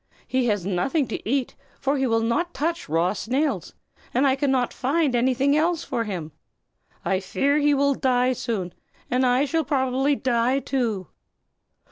He has nothing to eat, for he will not touch raw snails, and I cannot find anything else for him. I fear he will die soon, and I shall probably die too."